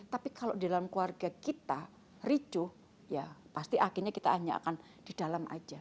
tapi kalau di dalam keluarga kita ricuh ya pasti akhirnya kita hanya akan di dalam aja